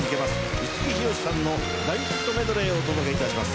五木ひろしさんの大ヒットメドレーをお届けいたします。